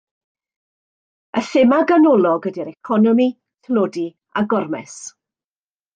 Y thema ganolog ydy'r economi, tlodi a gormes.